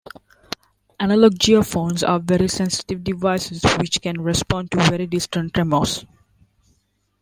Analog geophones are very sensitive devices which can respond to very distant tremors.